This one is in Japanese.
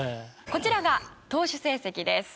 こちらが投手成績です。